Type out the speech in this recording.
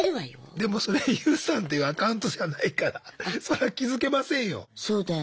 でもそれＹＯＵさんっていうアカウントじゃないからそりゃ気付けませんよ。